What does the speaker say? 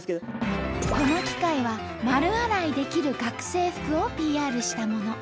この機械は丸洗いできる学生服をＰＲしたもの。